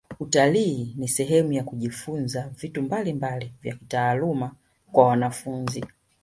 utalii ni sehemu ya kujifunza vitu mbalimbali vya kitaaluma kwa wanafunzi